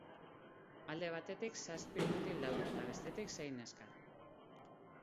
Alde batetik, zazpi mutil daude eta bestetik, sei neska.